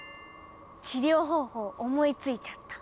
治療方法思いついちゃった。